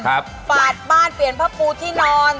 ฝาดบ้านเปลี่ยนผ้าปูที่นอน